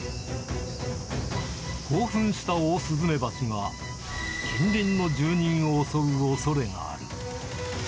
興奮したオオスズメバチが、近隣の住人を襲うおそれがある。